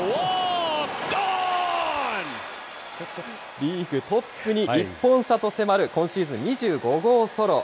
リーグトップに１本差と迫る今シーズン２５号ソロ。